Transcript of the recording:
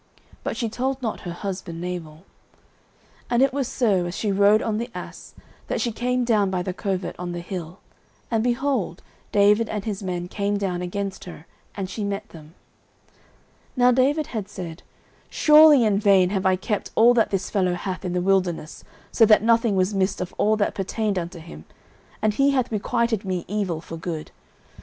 But she told not her husband Nabal. 09:025:020 And it was so, as she rode on the ass, that she came down by the covert on the hill, and, behold, David and his men came down against her; and she met them. 09:025:021 Now David had said, Surely in vain have I kept all that this fellow hath in the wilderness, so that nothing was missed of all that pertained unto him: and he hath requited me evil for good.